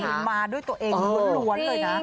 ให้คุณมาด้วยตัวเองล้วนเลยนะ